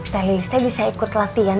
teh lilis teh bisa ikut latihan